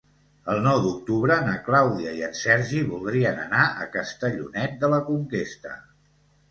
El nou d'octubre na Clàudia i en Sergi voldrien anar a Castellonet de la Conquesta.